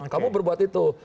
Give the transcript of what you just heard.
kamu berbuat itu